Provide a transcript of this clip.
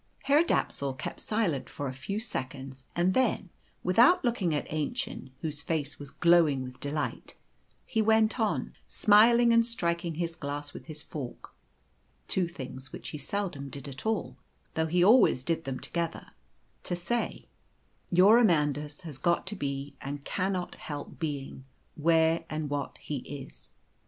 Herr Dapsul kept silence for a few seconds, and then, without looking at Aennchen, whose face was glowing with delight, he went on, smiling and striking his glass with his fork (two things which he seldom did at all, though he always did them together) to say, "Your Amandus has got to be, and cannot help being, where and what he is.